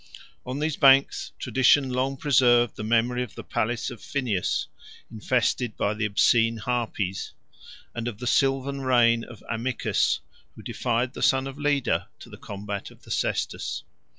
On these banks tradition long preserved the memory of the palace of Phineus, infested by the obscene harpies; 4 and of the sylvan reign of Amycus, who defied the son of Leda to the combat of the cestus.